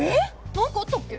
なんかあったっけ？